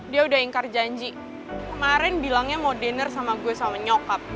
dia udah ingkar janji kemarin bilangnya mau diner sama gue sama nyokap